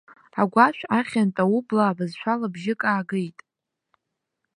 Агәашә ахьынтә аублаа бызшәала бжьык аагеит.